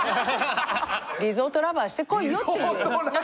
リゾート・ラバーしてこいよっていう。